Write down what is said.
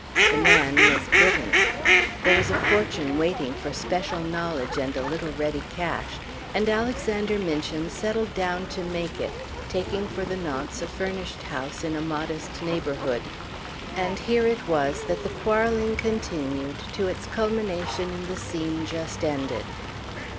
The man was bitten. There was a fortune waiting for special knowledge and a little ready cash; and Alexander Minchin settled down to make it, taking for the nonce a furnished house in a modest neighborhood. And here it was that the quarrelling continued to its culmination in the scene just ended.